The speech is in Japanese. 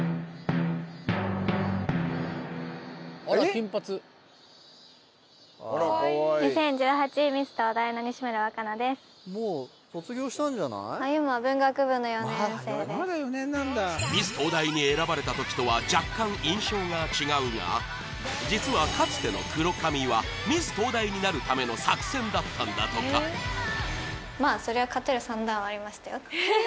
金髪ミス東大に選ばれた時とは若干印象が違うが実はかつての黒髪はミス東大になるための作戦だったんだとかまあそりゃあ勝てる算段はありましたよ